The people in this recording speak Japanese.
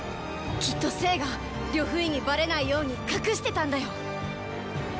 きっと政が呂不韋にばれないように隠してたんだよ！